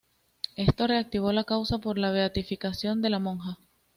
Esto reactivó la causa por la beatificación de la monja.